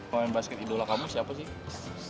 kamu main basket idola kamu siapa sih